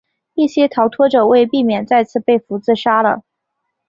一些逃脱者为避免再次被俘自杀了。